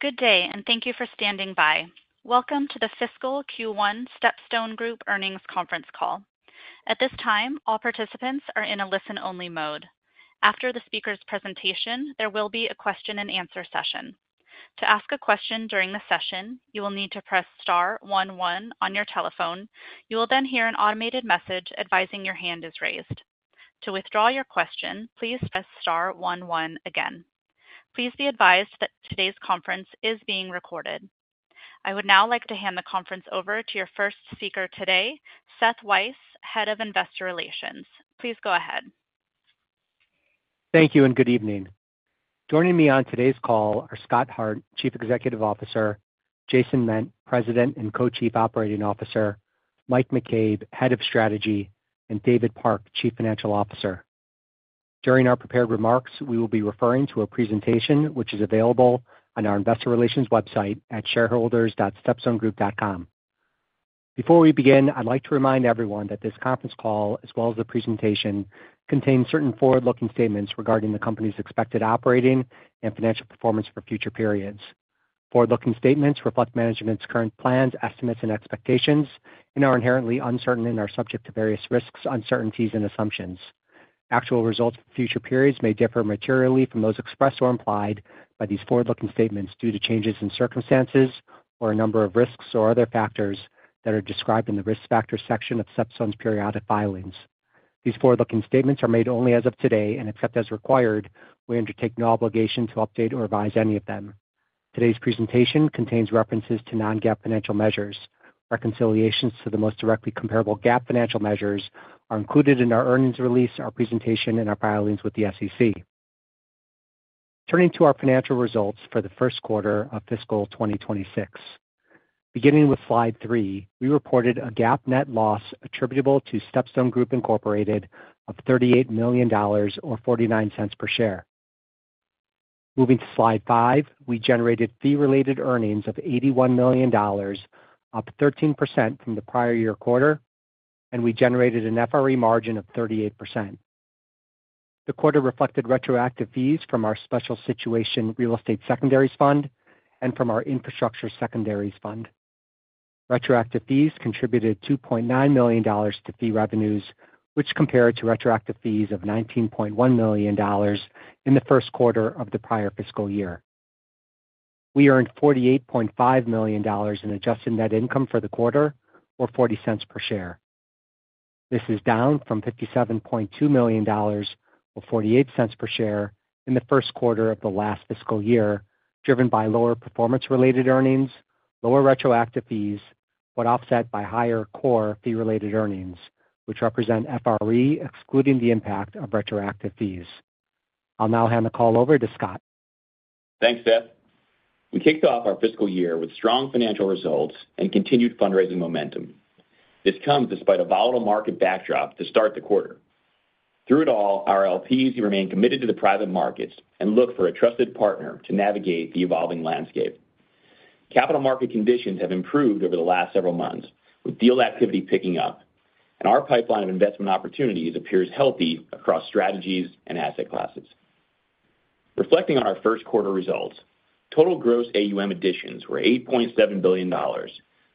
Good day, and thank you for standing by. Welcome to the Fiscal Q1 StepStone Group Earnings Conference Call. At this time, all participants are in a listen-only mode. After the speaker's presentation, there will be a question-and-answer session. To ask a question during the session, you will need to press *11 on your telephone. You will then hear an automated message advising your hand is raised. To withdraw your question, please press *11 again. Please be advised that today's conference is being recorded. I would now like to hand the conference over to your first speaker today, Seth Weiss, Head of Investor Relations. Please go ahead. Thank you, and good evening. Joining me on today's call are Scott Hart, Chief Executive Officer, Jason Ment, President and Co-Chief Operating Officer, Mike McCabe, Head of Strategy, and David Park, Chief Financial Officer. During our prepared remarks, we will be referring to a presentation which is available on our Investor Relations website at shareholders.stepstonegroup.com. Before we begin, I'd like to remind everyone that this conference call, as well as the presentation, contains certain forward-looking statements regarding the company's expected operating and financial performance for future periods. Forward-looking statements reflect management's current plans, estimates, and expectations, and are inherently uncertain and are subject to various risks, uncertainties, and assumptions. Actual results for future periods may differ materially from those expressed or implied by these forward-looking statements due to changes in circumstances or a number of risks or other factors that are described in the Risk Factors section of StepStone's periodic filings. These forward-looking statements are made only as of today, and except as required, we undertake no obligation to update or revise any of them. Today's presentation contains references to non-GAAP financial measures. Reconciliations to the most directly comparable GAAP financial measures are included in our earnings release, our presentation, and our filings with the SEC. Turning to our financial results for the first quarter of fiscal 2026. Beginning with slide three, we reported a GAAP net loss attributable to StepStone Group Inc. of $38 million or $0.49 per share. Moving to slide five, we generated fee-related earnings of $81 million, up 13% from the prior year quarter, and we generated an FRE margin of 38%. The quarter reflected retroactive fees from our Special Situation Real Estate Secondaries Fund and from our Infrastructure Secondaries Fund. Retroactive fees contributed $2.9 million to fee revenues, which compared to retroactive fees of $19.1 million in the first quarter of the prior fiscal year. We earned $48.5 million in adjusted net income for the quarter, or $0.40 per share. This is down from $57.2 million, or $0.48 per share, in the first quarter of the last fiscal year, driven by lower performance-related earnings, lower retroactive fees, but offset by higher core fee-related earnings, which represent FRE excluding the impact of retroactive fees. I'll now hand the call over to Scott. Thanks, Seth. We kicked off our fiscal year with strong financial results and continued fundraising momentum. This comes despite a volatile market backdrop to start the quarter. Through it all, our LPs remain committed to the private markets and look for a trusted partner to navigate the evolving landscape. Capital market conditions have improved over the last several months, with deal activity picking up, and our pipeline of investment opportunities appears healthy across strategies and asset classes. Reflecting on our first quarter results, total gross AUM additions were $8.7 billion,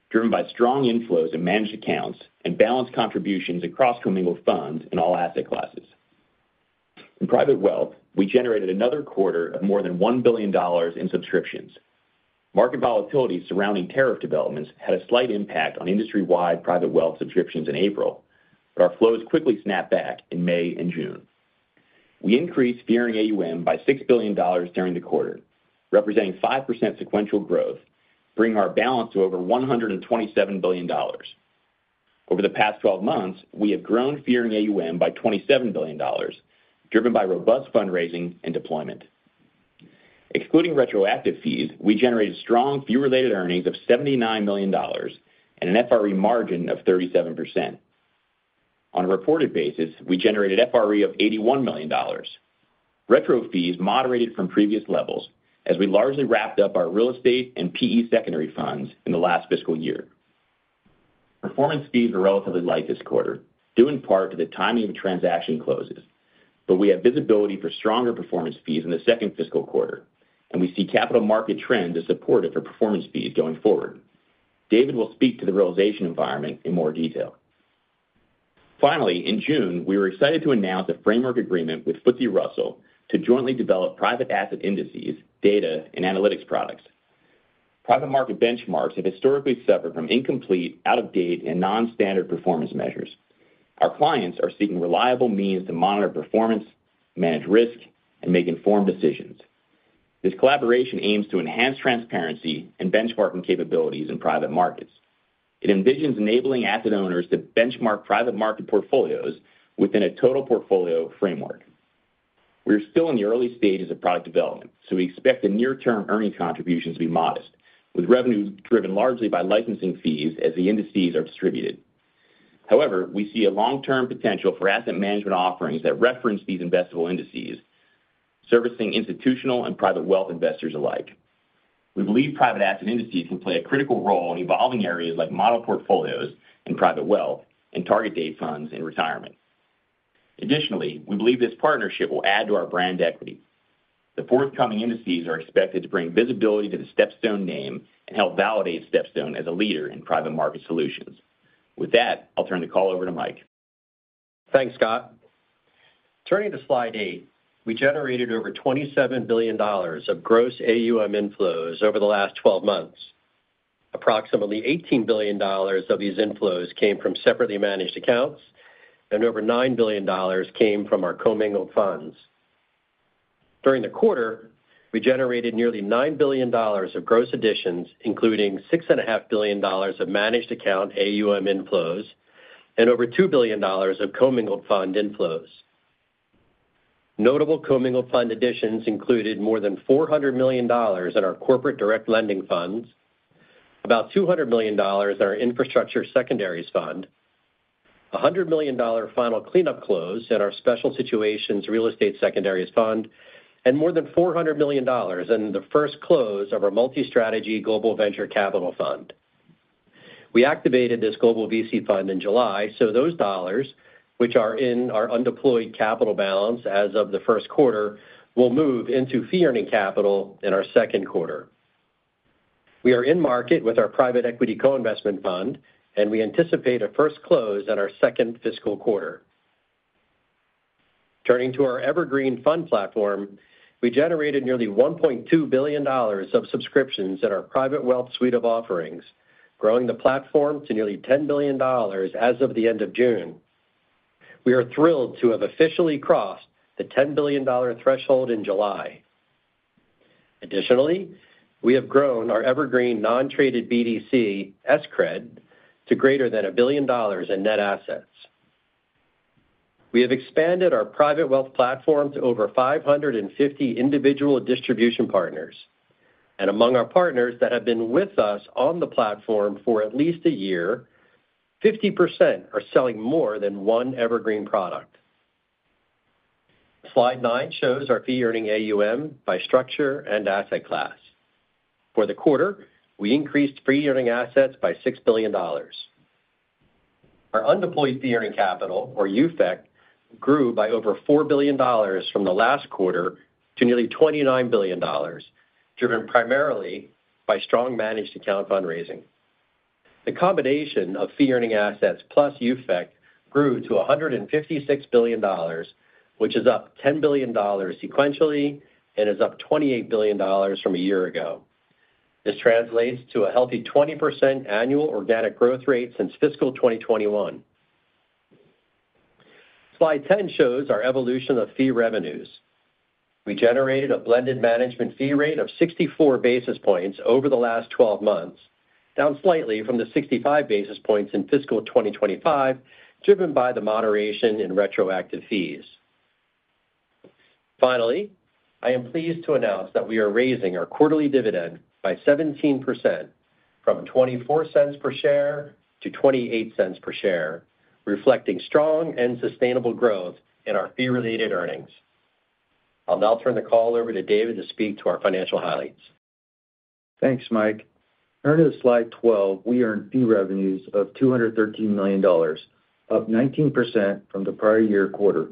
driven by strong inflows in managed accounts and balanced contributions across commingled funds in all asset classes. In private wealth, we generated another quarter of more than $1 billion in subscriptions. Market volatility surrounding tariff developments had a slight impact on industry-wide private wealth subscriptions in April, but our flows quickly snapped back in May and June. We increased fee-earning AUM by $6 billion during the quarter, representing 5% sequential growth, bringing our balance to over $127 billion. Over the past 12 months, we have grown fee-earning AUM by $27 billion, driven by robust fundraising and deployment. Excluding retroactive fees, we generated strong fee-related earnings of $79 million and an FRE margin of 37%. On a reported basis, we generated FRE of $81 million. Retroactive fees moderated from previous levels as we largely wrapped up our real estate and private equity secondary funds in the last fiscal year. Performance fees were relatively light this quarter, due in part to the timing of transaction closes, but we have visibility for stronger performance fees in the second fiscal quarter, and we see capital market trends as supportive for performance fees going forward. David will speak to the realization environment in more detail. Finally, in June, we were excited to announce a framework agreement with FTSE Russell to jointly develop private asset indices, data, and analytics products. Private market benchmarks have historically suffered from incomplete, out-of-date, and non-standard performance measures. Our clients are seeking reliable means to monitor performance, manage risk, and make informed decisions. This collaboration aims to enhance transparency and benchmarking capabilities in private markets. It envisions enabling asset owners to benchmark private market portfolios within a total portfolio framework. We are still in the early stages of product development, so we expect the near-term earning contributions to be modest, with revenues driven largely by licensing fees as the indices are distributed. However, we see a long-term potential for asset management offerings that reference these investable indices, servicing institutional and private wealth investors alike. We believe private asset indices can play a critical role in evolving areas like model portfolios in private wealth and target date funds in retirement. Additionally, we believe this partnership will add to our brand equity. The forthcoming indices are expected to bring visibility to the StepStone name and help validate StepStone as a leader in private market solutions. With that, I'll turn the call over to Mike. Thanks, Scott. Turning to slide eight, we generated over $27 billion of gross AUM inflows over the last 12 months. Approximately $18 billion of these inflows came from separately managed accounts, and over $9 billion came from our commingled funds. During the quarter, we generated nearly $9 billion of gross additions, including $6.5 billion of managed account AUM inflows and over $2 billion of commingled fund inflows. Notable commingled fund additions included more than $400 million in our corporate direct lending funds, about $200 million in our Infrastructure Secondaries Fund, $100 million final cleanup close in our Special Situations Real Estate Secondaries Fund, and more than $400 million in the first close of our Multi-Strategy Global Venture Capital Fund. We activated this Global VC Fund in July, so those dollars, which are in our undeployed capital balance as of the first quarter, will move into fee-earning capital in our second quarter. We are in market with our Private Equity Coinvestment Fund, and we anticipate a first close in our second fiscal quarter. Turning to our Evergreen Fund Platform, we generated nearly $1.2 billion of subscriptions in our Private Wealth Suite of Offerings, growing the platform to nearly $10 billion as of the end of June. We are thrilled to have officially crossed the $10 billion threshold in July. Additionally, we have grown our Evergreen Non-Traded BDC, S-CRED, to greater than $1 billion in net assets. We have expanded our Private Wealth Platform to over 550 individual distribution partners, and among our partners that have been with us on the platform for at least a year, 50% are selling more than one Evergreen product. Slide nine shows our fee-earning AUM by structure and asset class. For the quarter, we increased fee-earning assets by $6 billion. Our undeployed fee-earning capital, or UFEC, grew by over $4 billion from the last quarter to nearly $29 billion, driven primarily by strong managed account fundraising. The combination of fee-earning assets plus UFEC grew to $156 billion, which is up $10 billion sequentially and is up $28 billion from a year ago. This translates to a healthy 20% annual organic growth rate since fiscal 2021. Slide 10 shows our evolution of fee revenues. We generated a blended management fee rate of 64 basis points over the last 12 months, down slightly from the 65 basis points in fiscal 2025, driven by the moderation in retroactive fees. Finally, I am pleased to announce that we are raising our quarterly dividend by 17%, from $0.24 per share to $0.28 per share, reflecting strong and sustainable growth in our fee-related earnings. I'll now turn the call over to David to speak to our financial highlights. Thanks, Mike. Turning to slide 12, we earned fee revenues of $213 million, up 19% from the prior year quarter.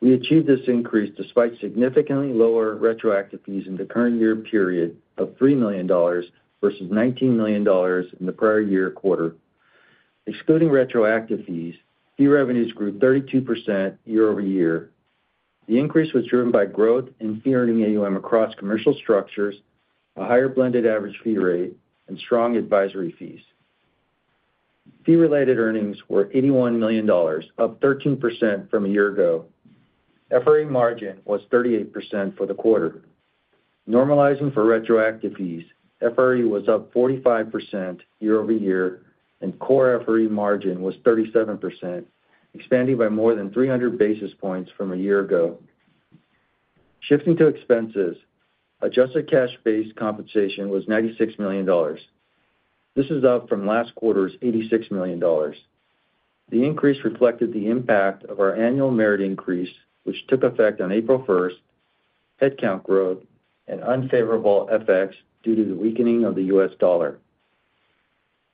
We achieved this increase despite significantly lower retroactive fees in the current year period of $3 million versus $19 million in the prior year quarter. Excluding retroactive fees, fee revenues grew 32% year-over-year. The increase was driven by growth in fee-earning AUM across commingled structures, a higher blended average fee rate, and strong advisory fees. Fee-related earnings were $81 million, up 13% from a year ago. FRE margin was 38% for the quarter. Normalizing for retroactive fees, FRE was up 45% year-over-year, and core FRE margin was 37%, expanding by more than 300 basis points from a year ago. Shifting to expenses, adjusted cash-based compensation was $96 million. This is up from last quarter's $86 million. The increase reflected the impact of our annual merit increase, which took effect on April 1st, headcount growth, and unfavorable effects due to the weakening of the U.S. dollar.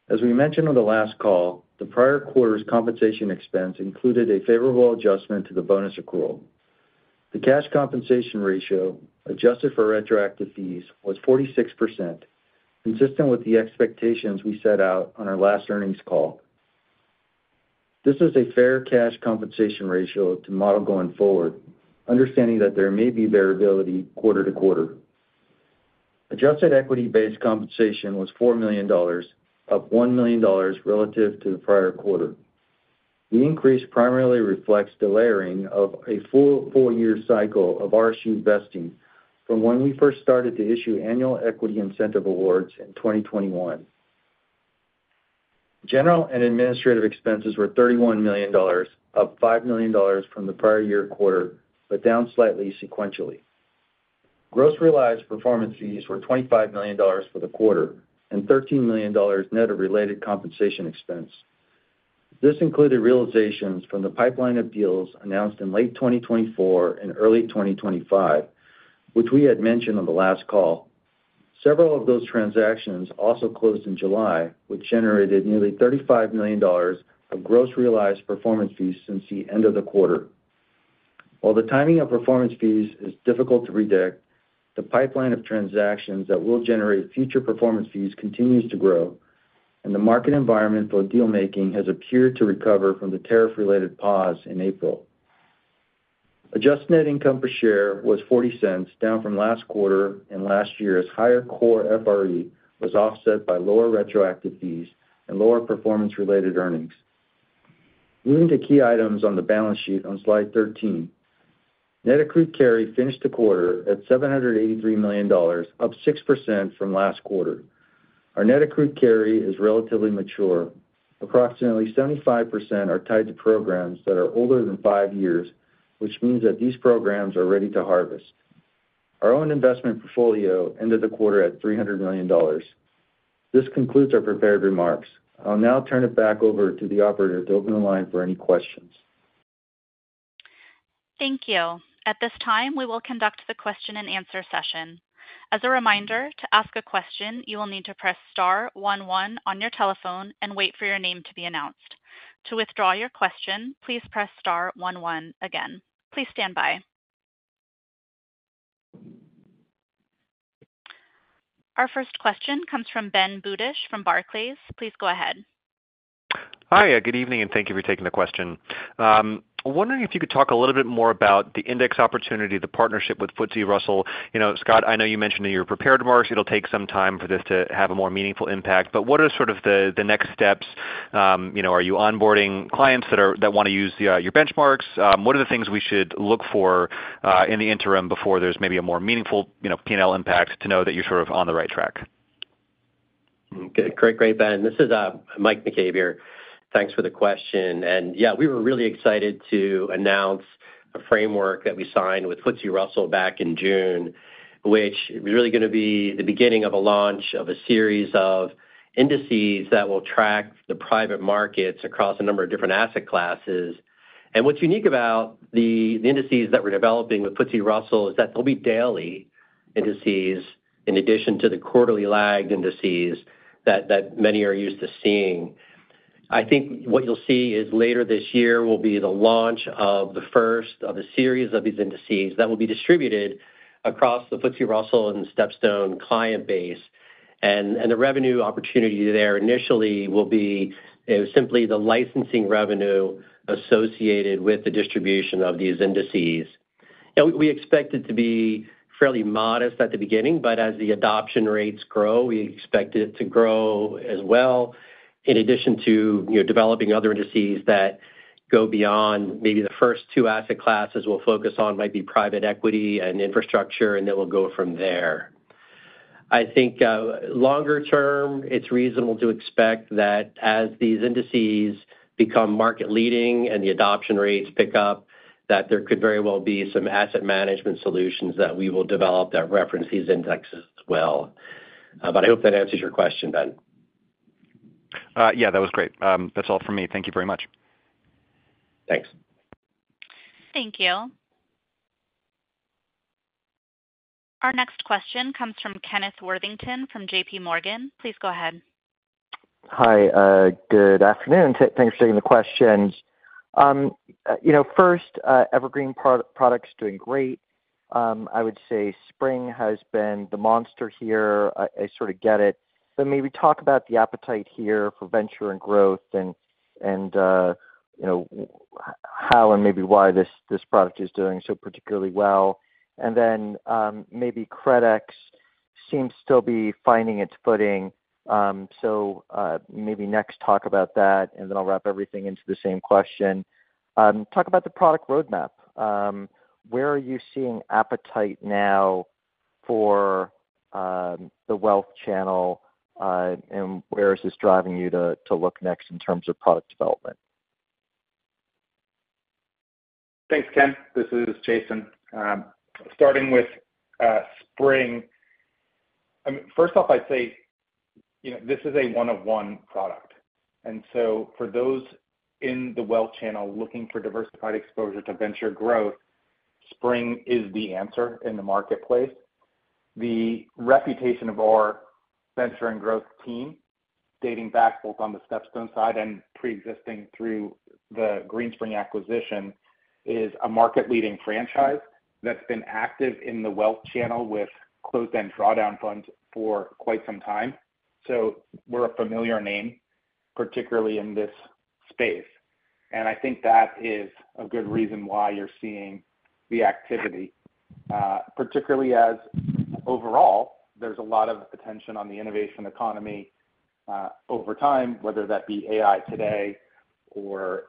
As we mentioned on the last call, the prior quarter's compensation expense included a favorable adjustment to the bonus accrual. The cash compensation ratio adjusted for retroactive fees was 46%, consistent with the expectations we set out on our last earnings call. This is a fair cash compensation ratio to model going forward, understanding that there may be variability quarter to quarter. Adjusted equity-based compensation was $4 million, up $1 million relative to the prior quarter. The increase primarily reflects the layering of a full four-year cycle of RSU vesting from when we first started to issue annual equity incentive awards in 2021. General and administrative expenses were $31 million, up $5 million from the prior year quarter, but down slightly sequentially. Gross realized performance fees were $25 million for the quarter and $13 million net of related compensation expense. This included realizations from the pipeline of deals announced in late 2024 and early 2025, which we had mentioned on the last call. Several of those transactions also closed in July, which generated nearly $35 million of gross realized performance fees since the end of the quarter. While the timing of performance fees is difficult to predict, the pipeline of transactions that will generate future performance fees continues to grow, and the market environment for dealmaking has appeared to recover from the tariff-related pause in April. Adjusted net income per share was $0.40, down from last quarter, and last year's higher core FRE was offset by lower retroactive fees and lower performance-related earnings. Moving to key items on the balance sheet on slide 13, net accrued carry finished the quarter at $783 million, up 6% from last quarter. Our net accrued carry is relatively mature. Approximately 75% are tied to programs that are older than five years, which means that these programs are ready to harvest. Our own investment portfolio ended the quarter at $300 million. This concludes our prepared remarks. I'll now turn it back over to the operator to open the line for any questions. Thank you. At this time, we will conduct the question-and-answer session. As a reminder, to ask a question, you will need to press *11 on your telephone and wait for your name to be announced. To withdraw your question, please press *11 again. Please stand by. Our first question comes from Ben Budish from Barclays. Please go ahead. Hi, good evening, and thank you for taking the question. I'm wondering if you could talk a little bit more about the index opportunity, the partnership with FTSE Russell. Scott, I know you mentioned in your prepared remarks it'll take some time for this to have a more meaningful impact, but what are sort of the next steps? Are you onboarding clients that want to use your benchmarks? What are the things we should look for in the interim before there's maybe a more meaningful P&L impact to know that you're sort of on the right track? Great, great, Ben. This is Mike McCabe here. Thanks for the question. We were really excited to announce a framework that we signed with FTSE Russell back in June, which is really going to be the beginning of a launch of a series of indices that will track the private markets across a number of different asset classes. What's unique about the indices that we're developing with FTSE Russell is that they'll be daily indices in addition to the quarterly lagged indices that many are used to seeing. I think what you'll see later this year will be the launch of the first of a series of these indices that will be distributed across the FTSE Russell and StepStone client base. The revenue opportunity there initially will be simply the licensing revenue associated with the distribution of these indices. We expect it to be fairly modest at the beginning, but as the adoption rates grow, we expect it to grow as well. In addition to developing other indices that go beyond, maybe the first two asset classes we'll focus on might be private equity and infrastructure, and then we'll go from there. I think longer term, it's reasonable to expect that as these indices become market leading and the adoption rates pick up, there could very well be some asset management solutions that we will develop that reference these indices as well. I hope that answers your question, Ben. Yeah, that was great. That's all from me. Thank you very much. Thanks. Thank you. Our next question comes from Kenneth Worthington from JPMorgan. Please go ahead. Hi, good afternoon. Thanks for taking the questions. First, Evergreen product's doing great. I would say spring has been the monster here. I sort of get it. Maybe talk about the appetite here for venture and growth and how and maybe why this product is doing so particularly well. Maybe CREDX seems to still be finding its footing. Next, talk about that, and then I'll wrap everything into the same question. Talk about the product roadmap. Where are you seeing appetite now for the wealth channel, and where is this driving you to look next in terms of product development? Thanks, Ken. This is Jason. Starting with Spring, first off, I'd say this is a one-of-one product. For those in the wealth channel looking for diversified exposure to venture growth, Spring is the answer in the marketplace. The reputation of our venture and growth team, dating back both on the StepStone side and pre-existing through the Greenspring acquisition, is a market-leading franchise that's been active in the wealth channel with closed and drawdown funds for quite some time. We're a familiar name, particularly in this space. I think that is a good reason why you're seeing the activity, particularly as overall, there's a lot of attention on the innovation economy over time, whether that be AI today or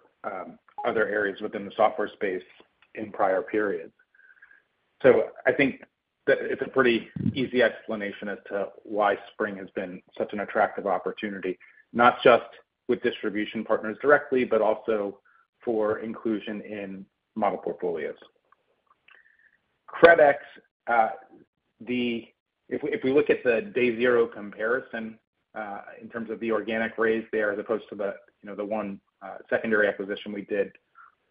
other areas within the software space in prior periods. I think that it's a pretty easy explanation as to why Spring has been such an attractive opportunity, not just with distribution partners directly, but also for inclusion in model portfolios. CREDX, if we look at the day zero comparison in terms of the organic raise there, as opposed to the one secondary acquisition we did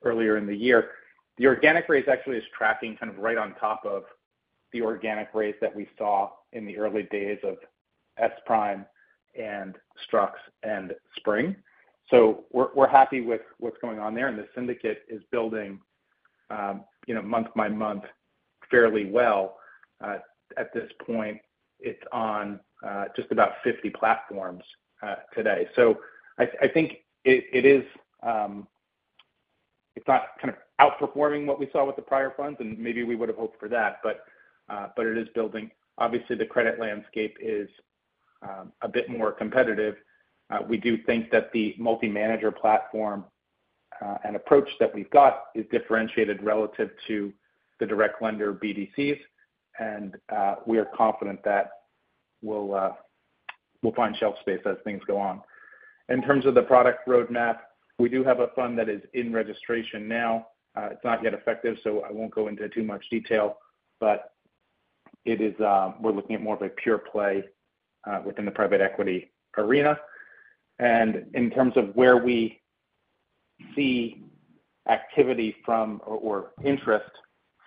earlier in the year, the organic raise actually is tracking kind of right on top of the organic raise that we saw in the early days of S-Prime and Strux and Spring. We're happy with what's going on there, and the syndicate is building month by month fairly well. At this point, it's on just about 50 platforms today. I think it is not kind of outperforming what we saw with the prior funds, and maybe we would have hoped for that, but it is building. Obviously, the credit landscape is a bit more competitive. We do think that the multi-manager platform and approach that we've got is differentiated relative to the direct lender BDCs, and we are confident that we'll find shelf space as things go on. In terms of the product roadmap, we do have a fund that is in registration now. It's not yet effective, so I won't go into too much detail, but we're looking at more of a pure play within the private equity arena. In terms of where we see activity from or interest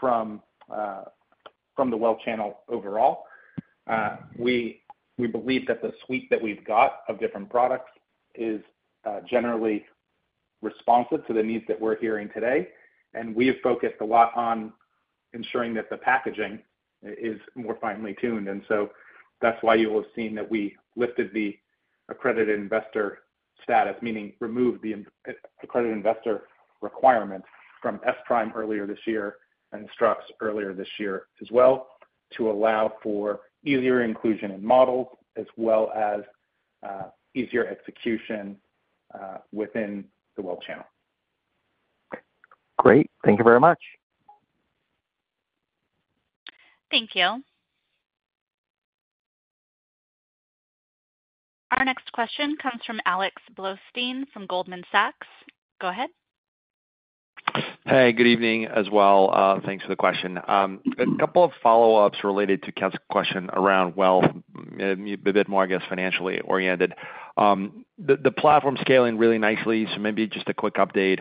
from the wealth channel overall, we believe that the suite that we've got of different products is generally responsive to the needs that we're hearing today. We've focused a lot on ensuring that the packaging is more finely tuned. That's why you will have seen that we lifted the accredited investor status, meaning removed the accredited investor requirement from S-Prime earlier this year and Strux earlier this year as well, to allow for easier inclusion in models, as well as easier execution within the wealth channel. Great. Thank you very much. Thank you. Our next question comes from Alex Blostein from Goldman Sachs. Go ahead. Hey, good evening as well. Thanks for the question. A couple of follow-ups related to Kevin's question around, a bit more, I guess, financially oriented. The platform's scaling really nicely. Maybe just a quick update.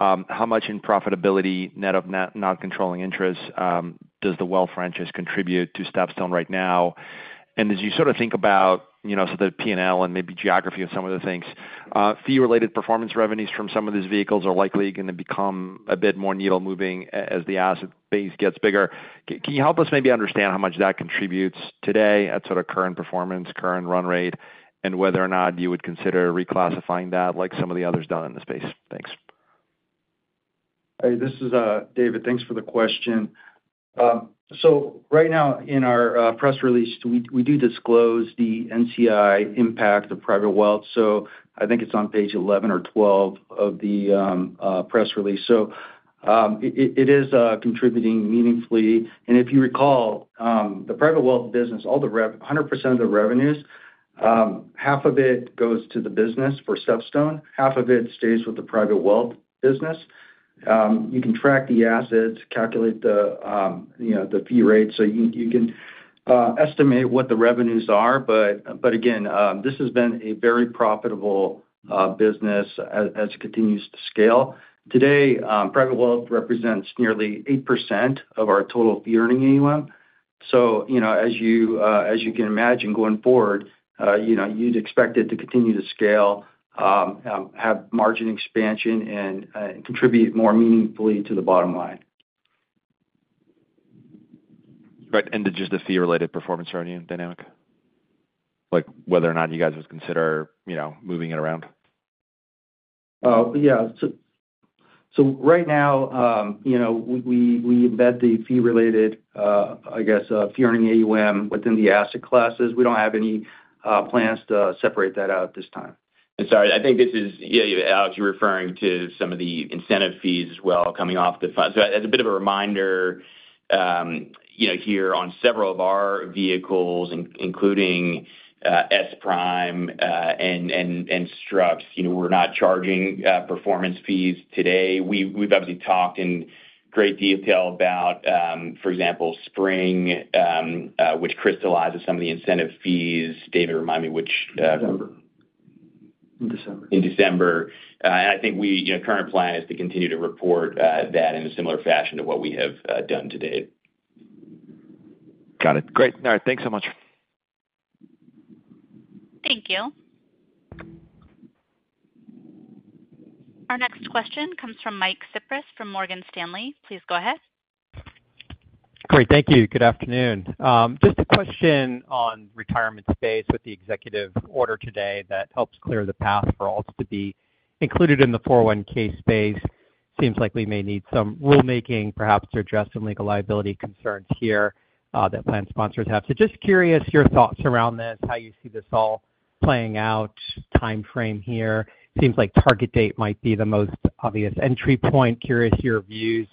How much in profitability, net of non-controlling interests, does the wealth franchise contribute to StepStone right now? As you sort of think about the P&L and maybe geography of some of the things, fee-related performance revenues from some of these vehicles are likely going to become a bit more needle-moving as the asset base gets bigger. Can you help us maybe understand how much that contributes today at current performance, current run rate, and whether or not you would consider reclassifying that like some of the others done in the space? Thanks. Hey, this is David. Thanks for the question. Right now in our press release, we do disclose the NCI impact of private wealth. I think it's on page 11 or 12 of the press release. It is contributing meaningfully. If you recall, the private wealth business, all the 100% of the revenues, half of it goes to the business for StepStone. Half of it stays with the private wealth business. You can track the assets, calculate the fee rate, so you can estimate what the revenues are. This has been a very profitable business as it continues to scale. Today, private wealth represents nearly 8% of our total fee-earning AUM. As you can imagine, going forward, you'd expect it to continue to scale, have margin expansion, and contribute more meaningfully to the bottom line. Right. Just the fee-related performance revenue dynamic, whether or not you guys would consider moving it around? Right now, you know, we embed the fee-related, I guess, fee-earning AUM within the asset classes. We don't have any plans to separate that out at this time. I think this is, yeah, Alex, you're referring to some of the incentive fees as well coming off the fund. As a bit of a reminder, here on several of our vehicles, including S-Prime and Strux, we're not charging performance fees today. We've obviously talked in great detail about, for example, spring, which crystallizes some of the incentive fees. David, remind me which. December. In December, I think we, you know, current plan is to continue to report that in a similar fashion to what we have done to date. Got it. Great. All right. Thanks so much. Thank you. Our next question comes from Mike Cyprys from Morgan Stanley. Please go ahead. Great. Thank you. Good afternoon. Just a question on the retirement space with the executive order today that helps clear the path for all to be included in the 401(k) space. It seems like we may need some rulemaking, perhaps to address some legal liability concerns here that plan sponsors have. Just curious your thoughts around this, how you see this all playing out, timeframe here. It seems like target date might be the most obvious entry point. Curious your views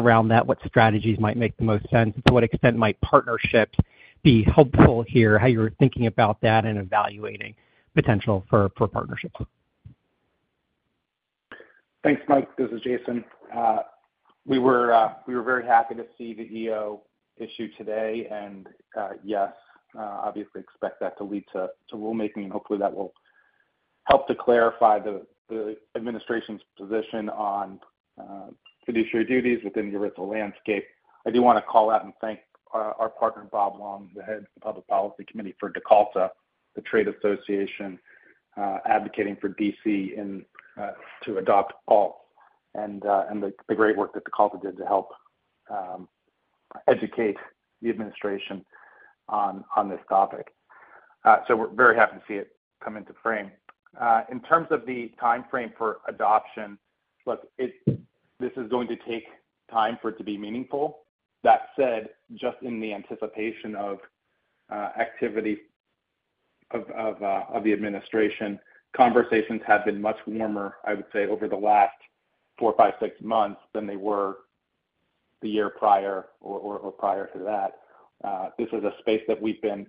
around that, what strategies might make the most sense, and to what extent might partnerships be helpful here, how you're thinking about that and evaluating potential for partnerships. Thanks, Mike. This is Jason. We were very happy to see the EO issue today. Yes, obviously expect that to lead to rulemaking, and hopefully that will help to clarify the administration's position on fiduciary duties within the original landscape. I do want to call out and thank our partner, Bob Long, the Head of the Policy Committee for Dakota, the trade association, advocating for DC to adopt all, and the great work that Dakota did to help educate the administration on this topic. We are very happy to see it come into frame. In terms of the timeframe for adoption, this is going to take time for it to be meaningful. That said, just in the anticipation of activity of the administration, conversations have been much warmer, I would say, over the last four, five, six months than they were the year prior or prior to that. This is a space that we've been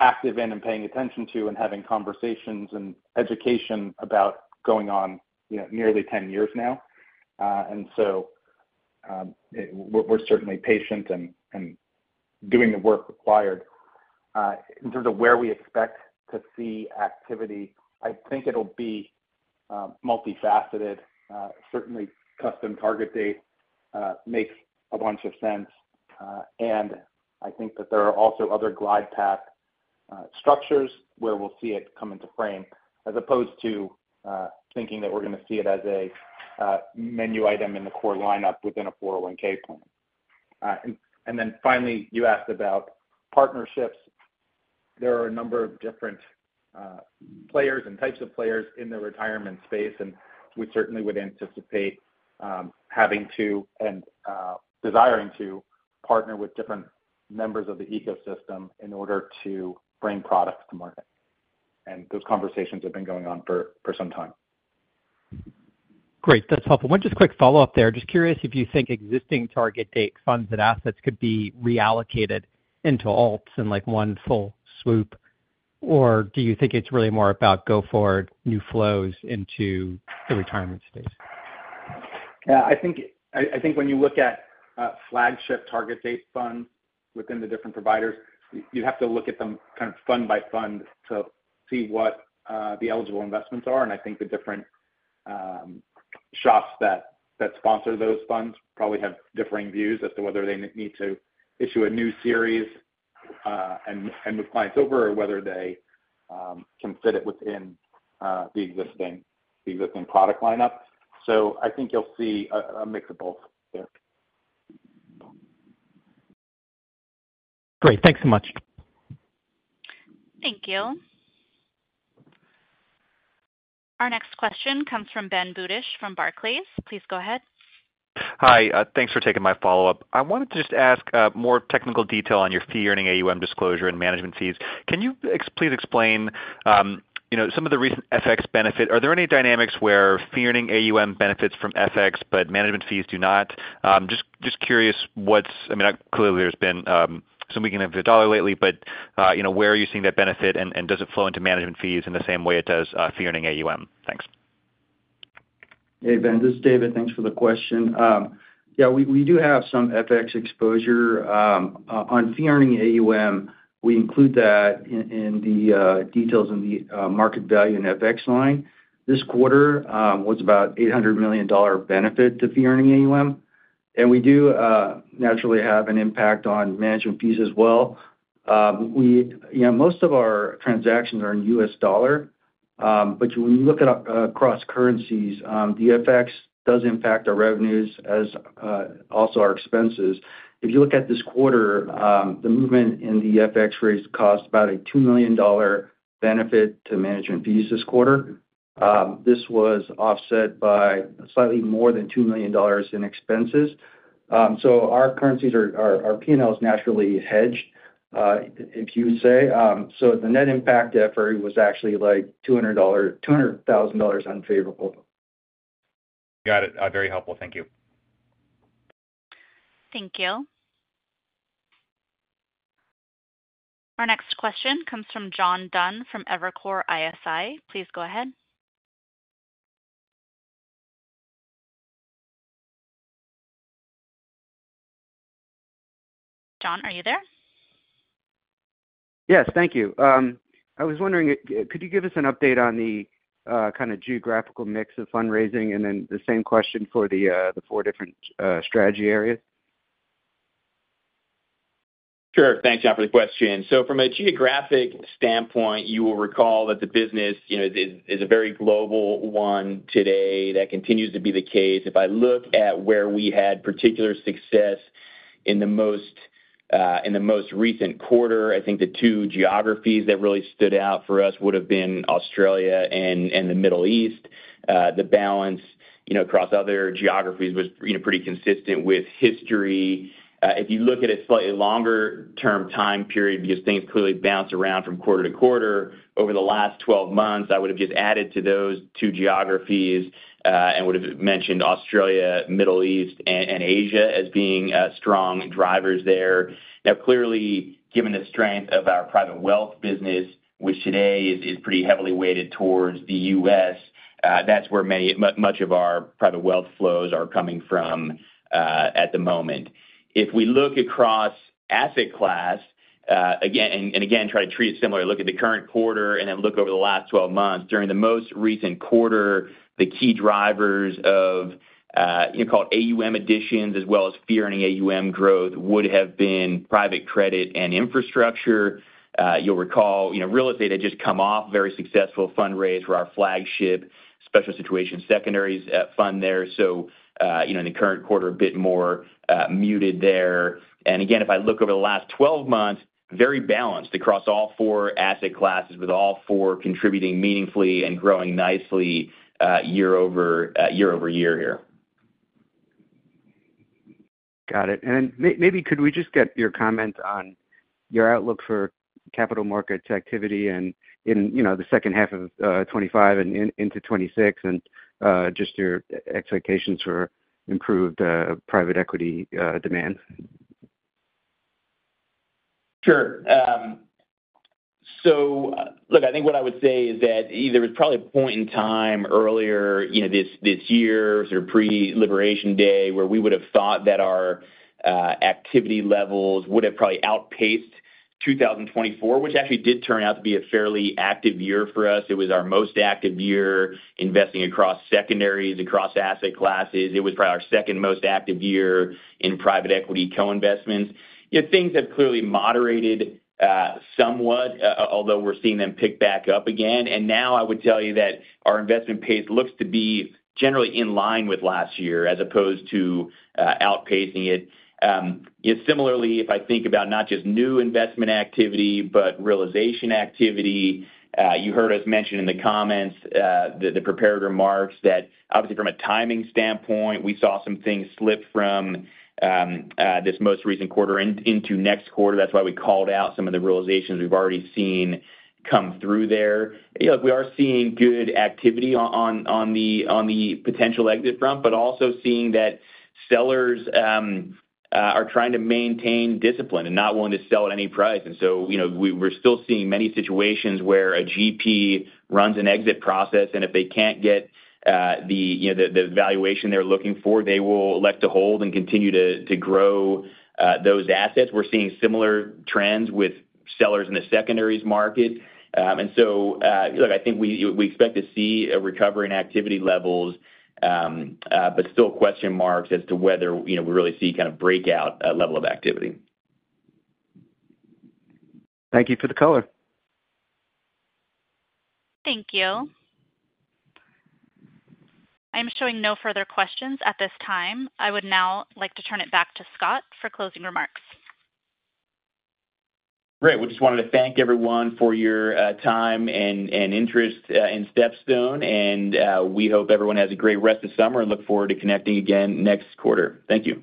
active in and paying attention to and having conversations and education about going on nearly 10 years now. We are certainly patient and doing the work required. In terms of where we expect to see activity, I think it'll be multifaceted. Certainly, custom target date makes a bunch of sense. I think that there are also other glide path structures where we'll see it come into frame, as opposed to thinking that we're going to see it as a menu item in the core lineup within a 401(k) plan. Finally, you asked about partnerships. There are a number of different players and types of players in the retirement space, and we certainly would anticipate having to and desiring to partner with different members of the ecosystem in order to bring products to market. Those conversations have been going on for some time. Great. That's helpful. One just quick follow-up there. Just curious if you think existing target date funds and assets could be reallocated into alts in like one full swoop, or do you think it's really more about go forward new flows into the retirement space? I think when you look at flagship target date funds within the different providers, you have to look at them kind of fund by fund to see what the eligible investments are. I think the different shops that sponsor those funds probably have differing views as to whether they need to issue a new series and move clients over, or whether they can fit it within the existing product lineup. I think you'll see a mix of both there. Great. Thanks so much. Thank you. Our next question comes from Ben Budish from Barclays. Please go ahead. Hi, thanks for taking my follow-up. I wanted to just ask more technical detail on your fee-earning AUM disclosure and management fees. Can you please explain some of the recent FX benefit? Are there any dynamics where fee-earning AUM benefits from FX, but management fees do not? Just curious what's, I mean, clearly there's been some weakening of the dollar lately, but you know, where are you seeing that benefit, and does it flow into management fees in the same way it does fee-earning AUM? Thanks. Hey, Ben. This is David. Thanks for the question. Yeah, we do have some FX exposure on fee-earning AUM. We include that in the details in the market value and FX line. This quarter was about an $800 million benefit to fee-earning AUM. We do naturally have an impact on management fees as well. Most of our transactions are in U.S. dollar, but when you look across currencies, the FX does impact our revenues as also our expenses. If you look at this quarter, the movement in the FX raised cost about a $2 million benefit to management fees this quarter. This was offset by slightly more than $2 million in expenses. Our currencies are, our P&L is naturally hedged, as you would say. The net impact to FRE was actually like $200,000 unfavorable. Got it. Very helpful. Thank you. Thank you. Our next question comes from John Dunn from Evercore ISI. Please go ahead. John, are you there? Yes, thank you. I was wondering, could you give us an update on the kind of geographical mix of fundraising? The same question for the four different strategy areas. Sure. Thanks, John, for the question. From a geographic standpoint, you will recall that the business is a very global one today. That continues to be the case. If I look at where we had particular success in the most recent quarter, I think the two geographies that really stood out for us would have been Australia and the Middle East. The balance across other geographies was pretty consistent with history. If you look at a slightly longer-term time period because things clearly bounce around from quarter to quarter, over the last 12 months, I would have just added to those two geographies and would have mentioned Australia, Middle East, and Asia as being strong drivers there. Now, clearly, given the strength of our private wealth business, which today is pretty heavily weighted towards the U.S., that's where much of our private wealth flows are coming from at the moment. If we look across asset class, again, and again, try to treat it similar, look at the current quarter and then look over the last 12 months, during the most recent quarter, the key drivers of, you know, called AUM additions, as well as fee-earning AUM growth, would have been private credit and infrastructure. You'll recall, you know, real estate had just come off a very successful fundraise for our flagship Special Situation Secondaries Fund there. In the current quarter, a bit more muted there. If I look over the last 12 months, very balanced across all four asset classes with all four contributing meaningfully and growing nicely year-over-year here. Got it. Could we just get your comment on your outlook for capital markets activity in the second half of 2025 and into 2026, and just your expectations for improved private equity demand? Sure. I think what I would say is that there was probably a point in time earlier this year, sort of pre-Liberation Day, where we would have thought that our activity levels would have probably outpaced 2024, which actually did turn out to be a fairly active year for us. It was our most active year investing across secondaries, across asset classes. It was probably our second most active year in private equity co-investments. Things have clearly moderated somewhat, although we're seeing them pick back up again. I would tell you that our investment pace looks to be generally in line with last year, as opposed to outpacing it. Similarly, if I think about not just new investment activity, but realization activity, you heard us mention in the comments, the prepared remarks that obviously from a timing standpoint, we saw some things slip from this most recent quarter into next quarter. That's why we called out some of the realizations we've already seen come through there. We are seeing good activity on the potential exit front, but also seeing that sellers are trying to maintain discipline and not willing to sell at any price. We're still seeing many situations where a GP runs an exit process, and if they can't get the valuation they're looking for, they will elect to hold and continue to grow those assets. We're seeing similar trends with sellers in the secondaries market. I think we expect to see a recovery in activity levels, but still question marks as to whether we really see kind of breakout level of activity. Thank you for the call. Thank you. I am showing no further questions at this time. I would now like to turn it back to Scott for closing remarks. Great. We just wanted to thank everyone for your time and interest in StepStone, and we hope everyone has a great rest of summer and look forward to connecting again next quarter. Thank you.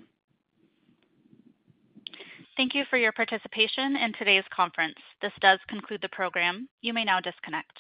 Thank you for your participation in today's conference. This does conclude the program. You may now disconnect.